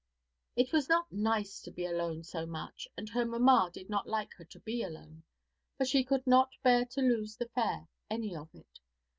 It was not "nice" to be alone so much, and her "mamma" did not like her to be alone, but she could not bear to lose the Fair, any of it.